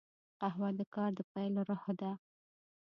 قهوه د کار د پیل روح ده